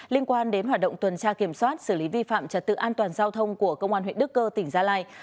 liên quan đến hoạt động tuần tra kiểm soát xử lý vi phạm trật tự an toàn giao thông của công an huyện đức cơ tỉnh gia lai